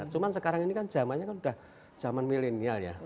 cuman sekarang ini kan zamannya kan sudah zaman milenial ya